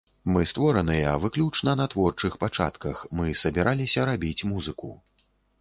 Мы створаныя выключна на творчых пачатках, мы сабраліся рабіць музыку.